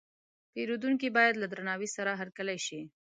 پیرودونکی باید له درناوي سره هرکلی شي.